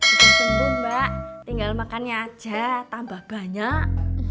bukan cembung mbak tinggal makannya aja tambah banyak